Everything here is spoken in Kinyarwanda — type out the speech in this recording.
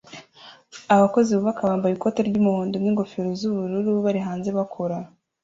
Abakozi bubaka bambaye ikoti ry'umuhondo n'ingofero z'ubururu bari hanze bakora